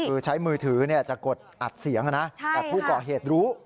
คือใช้มือถือเนี่ยจะกดอัดเสียงนะใช่ค่ะแต่ผู้ก่อเหตุรู้